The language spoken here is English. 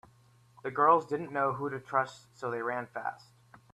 The girls didn’t know who to trust so they ran fast.